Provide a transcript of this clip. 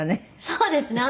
そうですね。